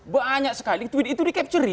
banyak sekali tweet itu di capture i